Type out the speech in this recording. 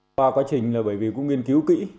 qua quá trình bởi vì cũng nghiên cứu kỹ